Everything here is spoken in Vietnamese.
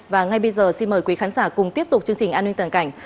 và ngay bây giờ xin mời quý khán giả cùng tiếp tục chương trình an ninh toàn cảnh